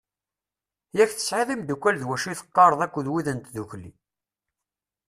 Yak tesɛiḍ imddukal d wacu i teɣɣareḍ akked wid n tddukli.